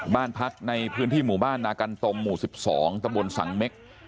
บ้านพักในพื้นที่หมู่บ้านนากันตมหมู่๑๒ตะบนสังเม็ก